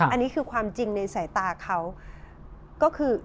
อันนี้คือความจริงในสายตาเขาก็คือ